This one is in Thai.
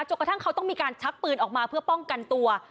กระทั่งเขาต้องมีการชักปืนออกมาเพื่อป้องกันตัว